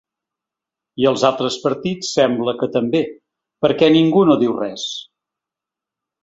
I els altres partits sembla que també, perquè ningú no diu res.